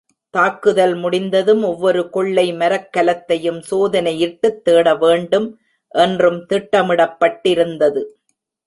தாக்குதல் முடிந்ததும் ஒவ்வொரு கொள்ளை மரக்கலத்தையும் சோதனையிட்டுத் தேடவேண்டும் என்றும் திட்டமிடப்பட்டிருந்தது.